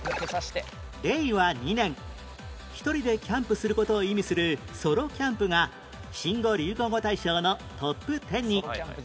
令和２年１人でキャンプする事を意味するソロキャンプが新語・流行語大賞のトップテンに